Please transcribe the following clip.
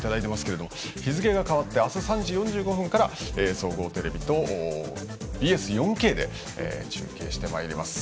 日付が変わって明日３時４５分から総合テレビとＢＳ４Ｋで中継してまいります。